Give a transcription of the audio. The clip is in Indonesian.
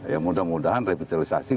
ya mudah mudahan revitalisasi